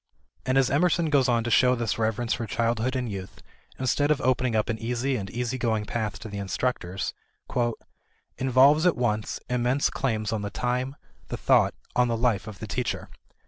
And as Emerson goes on to show this reverence for childhood and youth instead of opening up an easy and easy going path to the instructors, "involves at once, immense claims on the time, the thought, on the life of the teacher.